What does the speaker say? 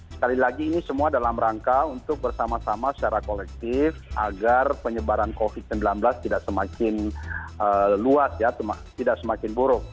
sekali lagi ini semua dalam rangka untuk bersama sama secara kolektif agar penyebaran covid sembilan belas tidak semakin luas ya tidak semakin buruk